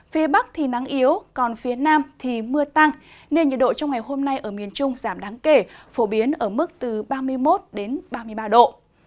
phía bắc thì nắng yếu còn phía nam thì mưa tăng nên nhiệt độ trong ngày hôm nay ở miền trung giảm đáng kể phổ biến ở mức từ ba mươi một ba mươi ba độ